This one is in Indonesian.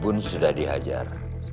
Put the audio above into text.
bubun sudah dihajar